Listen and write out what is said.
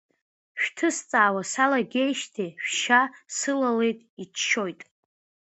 Шәҭысҵаауа салагеижьҭеи шәшьа сылалеит иччоит!